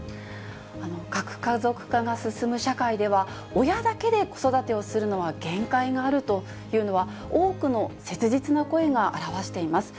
核家族化が進む社会では、親だけで子育てをするのは限界があるというのは、多くの切実な声が表しています。